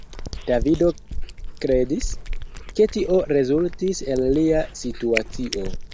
Davido kredis, ke tio rezultis el lia situacio.